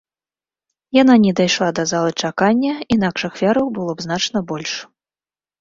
Яна не дайшла да залы чакання, інакш ахвяраў было б значна больш.